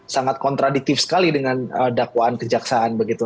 sangat kontradiktif sekali dengan dakwaan kejaksaan begitu